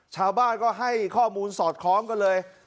ชาวบ้านก็ให้ข้อมูลสอดคล้องกันเลย